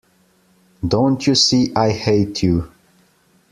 Don't you see I hate you.